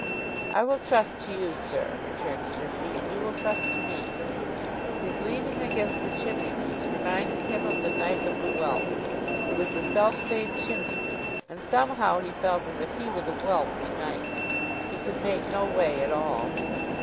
'I will trust to you, sir,' returned Sissy, 'and you will trust to me.' His leaning against the chimney piece reminded him of the night with the whelp. It was the self same chimney piece, and somehow he felt as if he were the whelp to night. He could make no way at all.